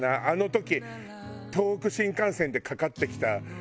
あの時東北新幹線でかかってきた。